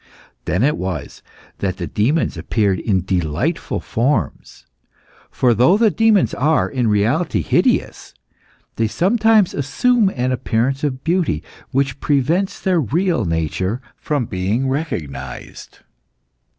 Then it was that the demons appeared in delightful forms. For though the demons are, in reality, hideous, they sometimes assume an appearance of beauty which prevents their real nature from being recognised.